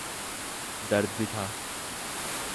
درد بھی تھا۔